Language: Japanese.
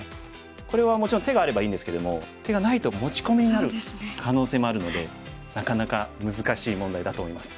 これはもちろん手があればいいんですけども手がないと持ち込みになる可能性もあるのでなかなか難しい問題だと思います。